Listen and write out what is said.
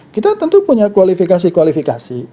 kita tentu punya kualifikasi kualifikasi